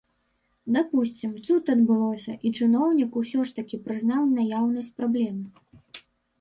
Дапусцім, цуд адбылося, і чыноўнік ўсё ж такі прызнаў наяўнасць праблемы.